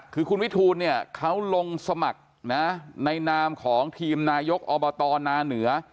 คือคุณวิทูลเนี่ยเขาลงสมัครนะในนามของทีมนายกอบตนาเหนือ